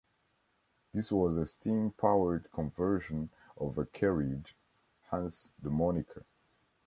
This was a steam-powered conversion of a carriage, hence the moniker.